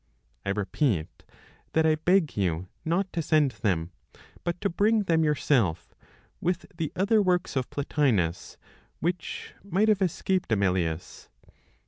I repeat that I beg you not to send them, but to bring them yourself with the other works of Plotinos, which might have escaped Amelius.